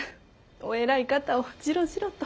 お偉い方をじろじろと。